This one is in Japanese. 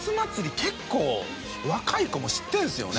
結構若い子も知ってるんですよね。